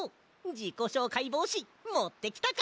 じこしょうかいぼうしもってきたか？